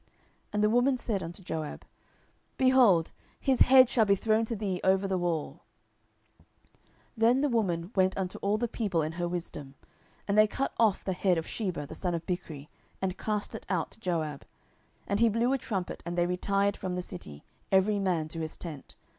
And the woman said unto Joab, Behold, his head shall be thrown to thee over the wall. 10:020:022 Then the woman went unto all the people in her wisdom. And they cut off the head of Sheba the son of Bichri, and cast it out to Joab. And he blew a trumpet, and they retired from the city, every man to his tent.